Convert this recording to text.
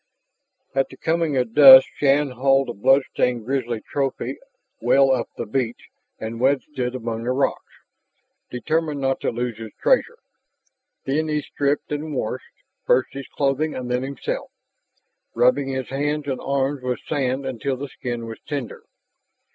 At the coming of dusk Shann hauled the bloodstained, grisly trophy well up the beach and wedged it among the rocks, determined not to lose his treasure. Then he stripped and washed, first his clothing and then himself, rubbing his hands and arms with sand until his skin was tender.